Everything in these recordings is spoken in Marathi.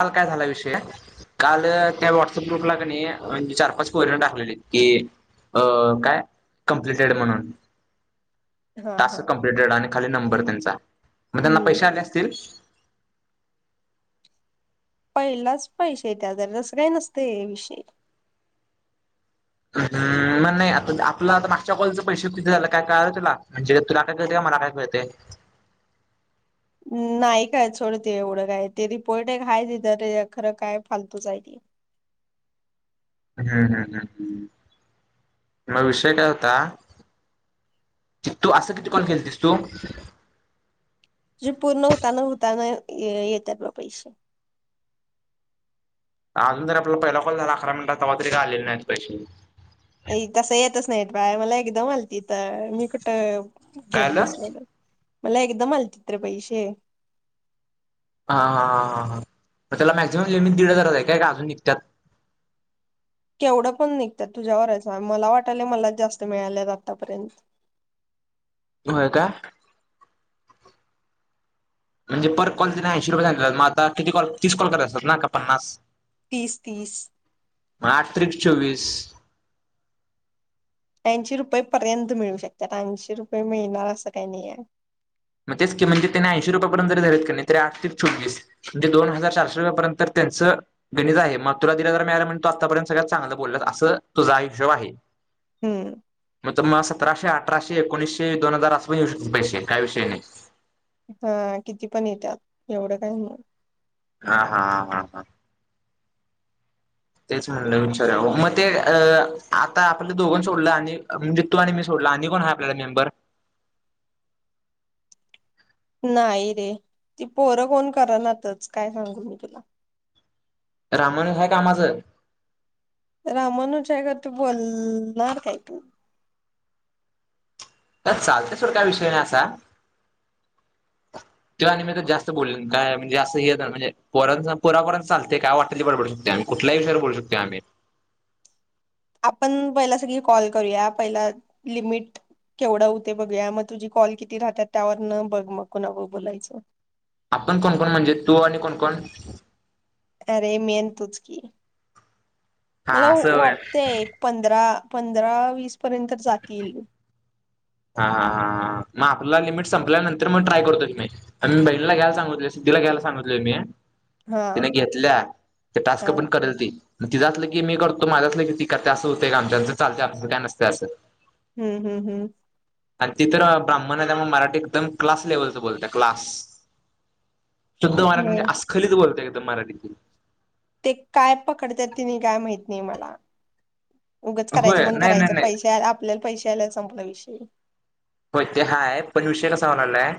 काल काय झाला विषय, काल त्या व्हॉट्सअप ग्रुपला कनई चार पाच फोलीओ टाकलेली, की अं काय कमप्लिटेड म्हणून. हा हा टास्क कंप्लीटेड आणि खाली नंबर त्यांचा, मग त्यांना हम्म पैशे आले असतील? पहिलाच पैसे येत्यात तसं काही नसतय विषय. हम् म नाही आता आपलं आता मागच्या कॉलचे पैसे किती झाल किती झाल काय कळालं तुला, म्हणजे तुला काय कळतय, का मला काय कळतय. नाही कळत सोड ते एवढं काय ते रिपोर्ट एक हाय तिथं खरं काय फालतूच हाय ते. हम्म, हम, हम मग विषय काय होता. तू असं किती कॉल केलतीस तू. जे पूर्ण होताना होताना येतात बग पैसे. अजून तर आपला पहिला कॉल झाला अकरा मिनिटातचा तर काय आलेले नाहीत पैसे. तस येत येतच नाही, बाळ मला एकदम आलती त मी कुठ काय घेत आलं बसलेलो. मला एकदम अलतीत रे पैसे. हा, हा, हा, मग त्याला मॅक्झिमम लिमिट दीड हजारच आहे काय का अजून निघतात. केवढं पण निघतात, तुझ्यावरच मला वाटलय मला जास्त मिळाल्यात आतापर्यंत होय काय. म्हणजे पर कॉल तिने ऐंशी रुपये मग आता किती कॉल तीस कॉल करायच्या असतात ना काय पन्नास. तीस-तीस. चौवीस. ऐंशी रुपये पर्यंत मिळू शकतात, ऐशी रुपये मिळणार असं काही नाही हाय. मग तेच क म्हज त्यांनी ऐंशी रुपयापर्यंत जरी धरलीत कणी तरी आठ त्रिक चोवीस म्हणजे दोन हजार चारशे रुपयापर्यंत त्यांचं गणित आहे, मग तुला दिल्यात, म्हणल्यावर मिळाल तू आतापर्यंत सगळ्यात चांगलं बोलल्यास असं तुझा हिशोब आहे. हम्म. मग तर मग सतराशे-अठराशे-एकोणीशे दीन हजार अस पण येऊ शकताता पैसे काय विष षय नाही. हा किती पण येतात एवढं काही नाही. हा, हा, हा, हा, हा. तेच म्हणलं विचाराव मग ते अ आता आपलं दोघ सोडलं आणि म्हणजे तू आणि मी सोडल, आणि कोण आहे आपल्याला मेंबर. नाही रे ती पोरं कोण करनातच काय सांगू मी तुला. रामानु हाय कामाचं. रामानुच्या गत बोलणार काय तू. तर चालते सड काय विषय नाही, असा तो आणि तर जास्त बोलीन काय म्हणजे जास्त हे म्हणजे पर पोरा पोरांचं चालतय काय वाटल ते बोलू शकतो आम्ही कुठल्या ही विषयावर बोलू शकतोया आम्ही. आपण पहिला सगळी कॉल करूया पहिला लिमिट केवढं होतय बघूया, मग तुझी कॉल किती राहतात, त्यावर न बघ मग कोना बरोबर बोलायचं. आपण कोणकण म्हणजे तू आणि कोणकोण. अरे मी तुचकी. हा मला असं होय वाटतय एक पंधरा. पंधरा वीस पर्यंत जातील. हा, हा, हा मग आपला लिमिट संपल्यानंतर मग ट्राय करतो मी बहीणीला घ्यायला सांगितलोय, सिद्धीला घ्यायला सांगितलोय मी. हा तिने घेतल्या ते टास्क हा पण करेल ती. तिज असलं की मी करतो माझं असलं की ती करते, असं होतय का आमच्याचं चालतय आमचं आमचं आमच्यात काय नसतं असं. हम्म, हम्म, हम्म. आणि ति तर ब्राह्मण आहे, त्यामुळे मराठी एकदम क्लास लेवलच बोलत्या क्लास. शुद्ध मराठी म्हणजे होय असखललीत बोलते. मराठी. ते काय पकडत्यात तिनी काय माहीत नाही मला. उगंच करायचं होय म्हणून नाही नाही करायचं नाही पैसे आपल्याला पैसे आला संपला विषयी. हो ते हाय पण विषय कसा व्हायला लागलाय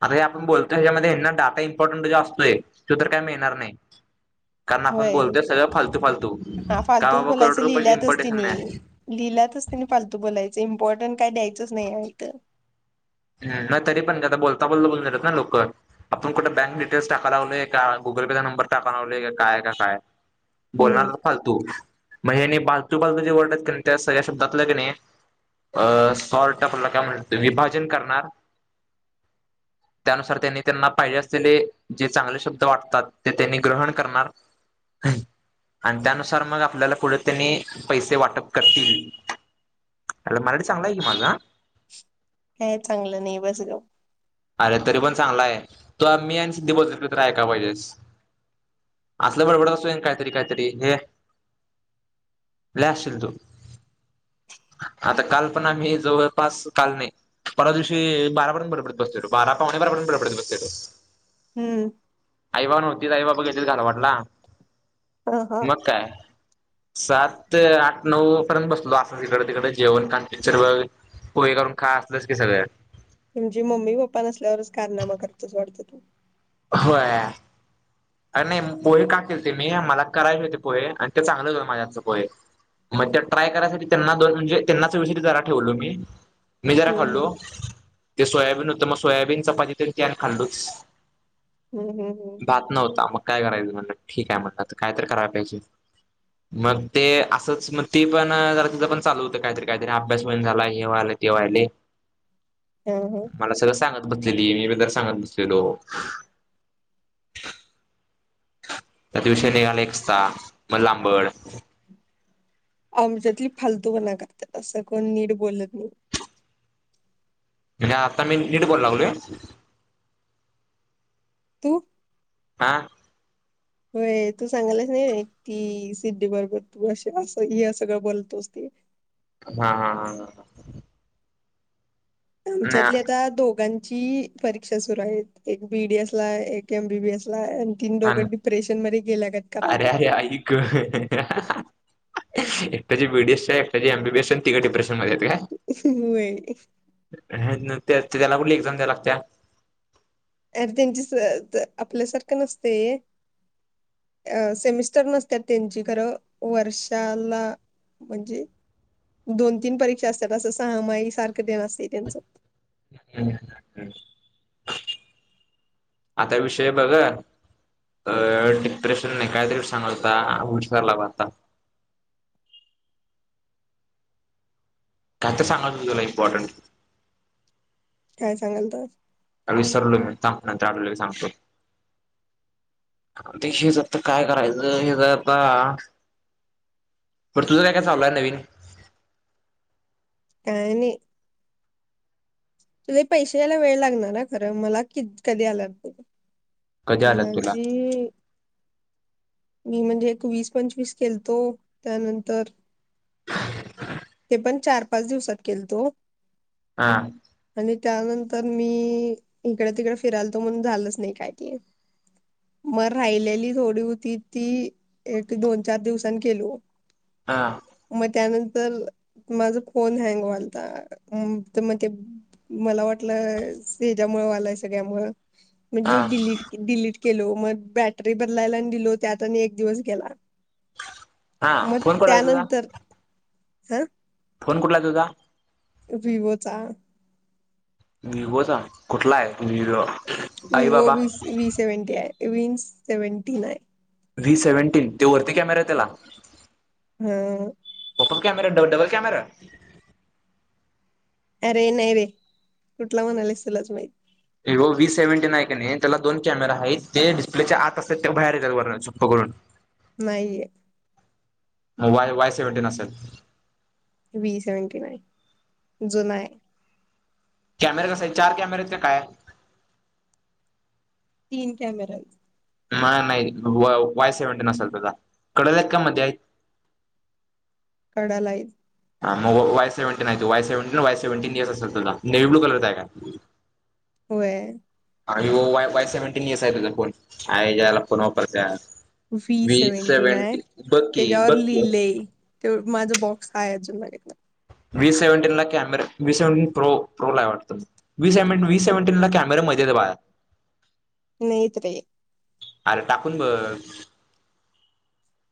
आता हे आपण बोलतोय ह्याच्यामध्येना डाटा इम्पॉर्टंट जो असतोय तो तर काय मिळणार नाही कारण आपण होय बोलतोय सगळं फालतू फालतू हा का फालतूच बाबा करोड बोलायचं रुपयाचे लिहिल्यातच त इम्पॉर्टेशन नाही लिहिल्यातच त फालतू बोलायच इम्पॉर्टंट काही द्यायचंच नाही इथं नाही तरी पण आता बोलता बोलता बोलतात ना लोक आपण कुठे बँक डिटेल्स टाकायला लागलोय का गुगल पेचा नंबर टाकायला लागलोय काय काय बोलणार हम्म. तो फालतू मग हिने फालतू फालतू जे वर्ड्स आहेत त्या सगळ्या शब्दात तिने शॉर्ट आपला काय म्हणतात विभाज जतन करणार त्यानुसार त्यांनी त्यांना पाहिजे असलेले जे चांगले शब्द वाटतात ग्रहण करणार आणि त्यानुसार मग आपल्याला पुढे त्यांनी पैसे वाटप करतील आईला मराठी चांगला आहे की माझा हे चांगलं नाही बस गप अरे तरी पण चांगला आहे तो मी आणि सिद्धी बोलतो ते ऐकायला पाहिजे असलं बडबड असतो काहीतरी काहीतरी हे लय हसशील तू आता काल पण आम्ही जवळपास काल नाही परवा दिवशी बारापर्यंत बडबडत बसलेलेबे बारा पावणे बारापर्यंत बडबडत बसलेलं हम्म आई-बाबा नव्हते आई बाबा घे वाटला ह हा. [unintelligible] मग काय सात आठ नऊ पर्यंत बसलो असं तिकडे तिकडे जेवण खा पिक्चर बघत पोहे करून खा स क सगळ [unintelligible] तुमचे मम्मी पप्पा नसल्यावरच कारनामा करता वाटतं तुम्ही होय अर नाही पोहे का केलेते मी मला करायचे होते पोहे ते चांगलेच होते माझ्या हातचे पोहे मग त्या ट्राय करायसाठी त्यांना दोन म्हणजे त्यांना चवीसाठी ठेवले मी मी जरा हम्म खल्लो ते सोयाबीन होतं मग सोयाबीन चपाती तर त्यात खाल्लोच हम्म हम्म हम्म हो मग काय करायचं म्हण ठीक आहे म्हण कायतरी कराय पाहिजे मग ते असंच मग ती पण ज तिचं पण चालू होत काहीतरी काहीतरी अभ्यास हो झाला हे वा्हालं तेव्हाहिले ह ह मला सगळं सांगा बसलेली मी बदर सांगत बसलेलो [unintelligible] त्या दिवशीय निघाला एक साप मग लांबड आमच्यातली फालतूपणा करतात असं कोण नीट बोलत नाही म्हणजे आता मी नीट बोलावल तू? आा [inaudible] होय तू सांगायलास नाही व्हय ती सिद्धी बरोबर तू अस अस हे सगळं बोलतोस ते हा हा हा हा ह आमच्यातली आता दोघां जी परीक्षा सुरू आहेत एक बीडीएस ला एक एमबीबी एस ला आहे. ह आरे आरे आईक एकट्याची बीडीएस एकट्याची एमबिएस तिघ डिप्रेशन मध्ये म [unintelligible] त्याला कुठली एक्झाम द्यायला लागत्या. अरे त्यांची आपल्यासारखं नसतय अ सेमिस्टर नसत्यात त्यांची खरं वर्षाला म्हणजे दोन तीन परीक्षा असत्यात असं सहा माई सारखं देण असते त्यांचं आता विषय बघ डिप्रेशनने कायतरी सांगलता विसर ला बघ आता काई तरी सांगलता तुला इमपॉर्टंट काय सांगाल तास. विसरलो मी थांब आठवलं की सांगतो आ [unintelligible] काय करायचं हे आता बर तुझं काय काय चाललंय नवीन आणि तुझे पैश यायला वेळ लागणार ना खरं मला कि कधी आलात. कधी आलात तुला भाजी. मी म्हणजे एक वीस पंचवीस केलतो. त्यानंतर, ते पण चार पाच दिवसात केलतो. हा आणि त्यानंतर मी इकड तिकड फिरायल तो म्हणून झालंच नाही कायती. मग राहिलेली थोडी होती ती एक दोन चार दिवसांनी केलो. हा म त्यानंतर. तर माझ फोन हँग व्हालता तर मग ते मला वाटलं त्याच्यामुळे व्हायला सगळ्या मुळ. मग हा मी डिलीट. डिलीट केलो मग बॅटरी बदलायला गेलो त्यात आणि एक दिवस गेला. हा फोन कुठे आहे तुझा. अं फोन कुठेलाय तुझा. विवोचा. विवोचा कुठला आहे विवो आई विवो बाबा वी व्ही सेव्हनटी आहे. V seventy nine. V seventeen तो वर किती कॅमेरे त्याला. हं [unintelligible] कॅमेरा बंद डबल कॅमेरा अरे नाही रे कुठला म्हणालास तुलाच माहित. विवो व्ही सेव्हन्टीन आहे की नाही त्याला दोन कॅमेरा आहेत ते डिस्प्लेच्या आत असतात त्या बाहेर यल वर ठेव पकडून करून नाहीये. वाय वाय सेव्हंन्टीन असेल- व्ही सेव्हनटी नाईन जुनाय. कॅमेरा कसा आहे चार कॅमेरेत का काय तीन कॅमेरा म नाही वाय सेव्हन्टीन असाल तुझा कडला आहेत का मध्ये आहेत कडला आहेत. हा मग वाय सेव्हन्टीन आहे. वाय सेव्हनटीन वाय सेव्हन्टीन असेल तझा नेव्ही ब्लू कलरचा आहे का? होय आणि वाय वाय सेव्हन्टीन यस आहे तुझ फोन आय जायला फोन वापरत्यास. व्ही सेव्हन्टीन आहे. बघ की त्याच्यावर बघ की लिहलय ते माझ बॉ हाय [unintelligible] व्ही सेव्हनटीन ला camera V seventeen pro pro ला आहेत वाटत व सेव व्ही सेव्हनटीन ला कॅमेरा मध्येच बाया नाहीत रे ण बर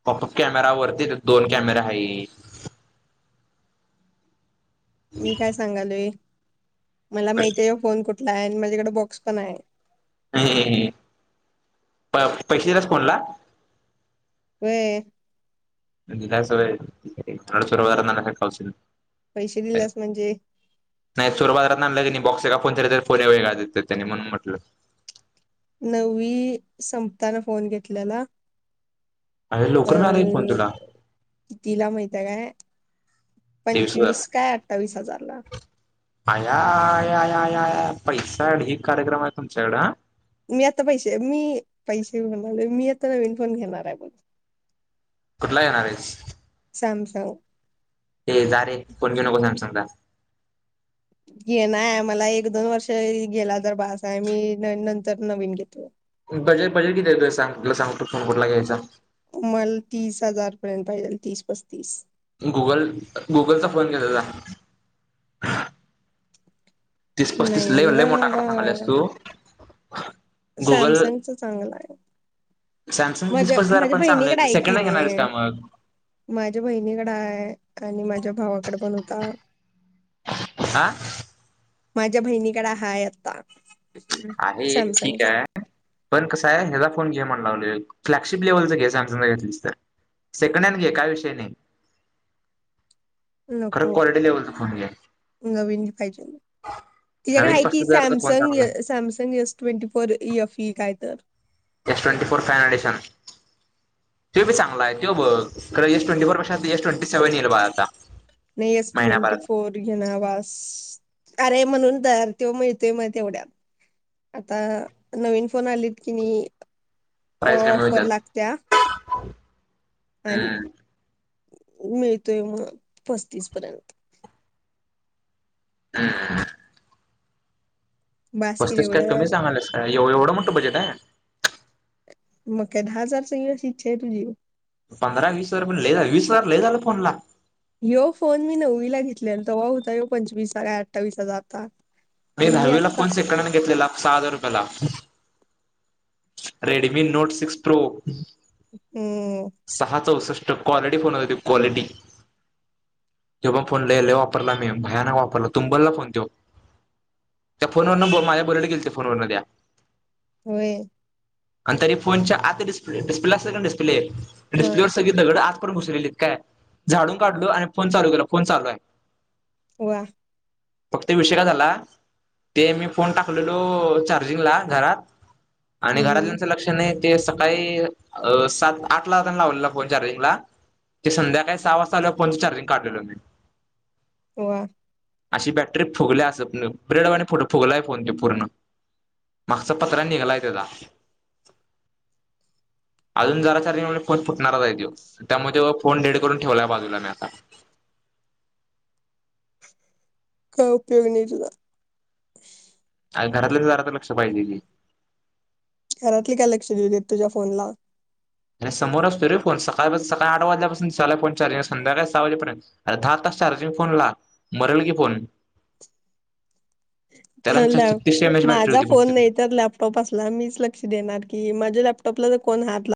पॉपऑप कॅमेरा वरती दोन कॅमेरा आहे मी काय सांगालोय. मला माहती आहे फोन कुठला आहे. माझ्याकडें बॉक्स पण आहे. हेहे पैसे दिलाईस फोनला. ते दिल्यास होय [unintelligible] पैसे दिलास म्हणजे मैसूर [unintelligible] नववी संपताना फोन घेतल्याला. अरे लवकर मिळाला की फोन अं तुला तिला माहित हाय काय तेवीस हजार पंचवीस काय अठ्ठावीस हजार. आया, या, या, या पैसा ढीग कार्यक्रम आहे तुमच्याकड. मी आता पैसे मी पैसे म्हणाले, मी आता नवीन फोन घेणार हाय. कुठला घेणार आहेस. सॅमसंग. ये, जा, रे फोन घेऊ नको सॅमसंगचा. घेणार मला एक दोन वर्ष गेला तर बास आहे, मी नंतर नवीन घेतो. बजेट बजेट किती आहे तुझ सांग. सांगतो फोन कुठला घ्यायचा. मल तीस हजार पर्यंत पाहिजेल तीस पस्तीस. गुगल गुगलचा फोन घेजा जा. तीस पस्तीस लई नाही लय वा मोठा आकडा वा सांगाल्यास तू. गुगल सॅमसंगच चांगलं हाय. सॅमसंग तीस माझ्या पस्तीस हजार माझ्या पण चांगलं बहिणीकडे आहे की सेकंड हँड घेणार आहेस रे, का मग माझ्या बहिणीकडे हाय, आणि माझ्या भावाकडे पण होता. आ. माझ्या बहिणीकडे हाय आता. आहे ठीक सॅमसंगचा हाय, पण कस आहे हेजा फोन घे म्हनलो. फ्लॅगशिप्लेवलचा घे सॅमसंगचा घेण्यापेक्षा, सेकंड हॅन्ड घे काय विषय नाही. खरं नको क्वालिटी लेव्हलचा फोन घे. नवीन पाहिजे तिच्याकडे नवीन आहे की पस्तीस हजारचा फोन सॅमसंग चांगला सॅमसंग य. ट्वेंटी फोर इफई काय तर. एस ट्वेंटी फोर फाय डिशन तो चांगला आहे, तो बघ खरं एस ट्वेंटी फोर पेक्षा एस ट्वेंटी सेव्हन येईल बाळ येईल आता. नाही एस ट्वेंटी महिनाभरात फोर घेणार बास. अरे म्हणून तर तेव्हा माळतोय मग तेवढ्यात, आता नवीन फोन आलीत की नी. प्राईस कमी होतात. आणि हम्. मिळतोय मग पस्तीस पर्यंत. हम्. बास की पस्तीस काय कमी तेवढं सांगाल्यास काय एवढं म्हणतो बजे टाय. मग काय दहा हजारचयुएस इच्छा आहे तुझी. पंधरा वीस हजार पण ल झालं वीस हजार लयी झालं फोन ला. यो फोन मी नववी ला घेतलेला तव्हा होता यो पंचवीसचा काय अठ्ठावीस हजार आता मी आणि दहावीला आता फोन सेकंड हॅन्ड घेतलेला सहा हजार कला. Redmi note six pro. हम्म. तो क्वालिटी फोन होत तो क्वालिटी तो पण फोन ललयी वापरला मी भयानक वापरला तुंबरला फोन तो त्या फोनवरन माझ्या बुलेट गेलती फोनवरन त्या. होय. आणि तरी फोनच्या आता डिस्प्ले डिस्प्ला असे डिस्प्ले हा डिप्ले वर सगळी दगड आत पर्यंत घुस लेलीत काय, झाडून काढलो आणि फोन चालू केला फोन चालू आहे. वा. फक्त विषय काय झाला, ते मी फोन टाकलेलो चार्जिंगला घरात आणि हम्म घरातल्यांच लक्ष नाही. ते सकाळी सात आठ लातेन लावलेला फोन चार्जिंगला ते संध्याकाळी सहा वाजता आल्यावर फोनच चार्जिंग काढलेलो मी. हो अशी बॅटरी फुगली अस ब्रेड वाणी फट फुगलाय फोन ते पूर्ण मागचा पत्रा निघलाय त्याचा. अजून जरा चार्जिंग फोन फुटणारच आहे तो त्यामुळे फोन डेड करून ठेवलाय बाजूला मी आता. काय उपयोग नाही तुझा. घरातल्यांचं जरातर लक्ष पाहिजे की. घरातले काय लक्ष देऊ देत तुझ्या फोनला. अरे समोर असतोय रे फोन सकाळ सकाळी आठ वाजल्यापासनं दिसायलाय फोन चार्जिंग संध्याकाळी सहा वाजेपर्यंत आ दहा तास चार्जिंग फोन ला मरल की फोन. त्याला ला छत्तीस एम एच बॅटरी माझा होती फोन फक्त. नाही तर लॅपटॉप असला मीच लक्ष देणार की माझे लॅप टॉपला कोण हात